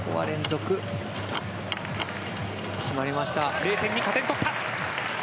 ０．２、加点取った！